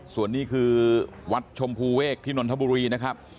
ส่วนนี้คือวัดชมพูเวกที่นนทบุรีนะครับ